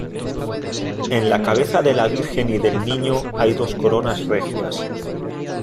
En la cabeza de la Virgen y del Niño hay dos coronas regias.